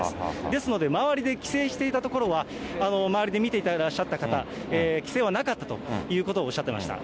ですので、周りで規制していた所は、周りで見ていらっしゃった方、規制はなかったというふうにおっしゃってました。